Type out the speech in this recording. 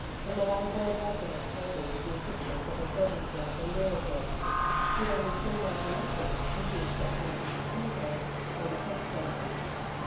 The Malay boy waited at table with the assistance of a servant girl from Leuraville, the only female domestic with the exception of Mrs Hensor on the head station.